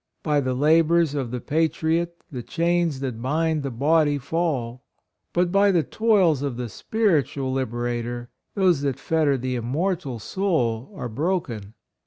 By the labors of the patriot the chains that bind the body fall, but by the toils of the spiritual lib erator those that fetter the immor tal soul are broken.